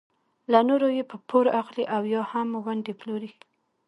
له نورو یې په پور اخلي او یا هم ونډې پلوري.